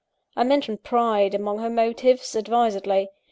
I mention pride among her motives, advisedly.